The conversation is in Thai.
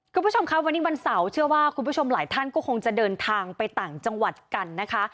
คุณผู้ชมครับวันนี้วันเสาร์เชื่อว่าคุณผู้ชมหลายท่านก็คงจะเดินทางไปต่างจังหวัดกันนะคะ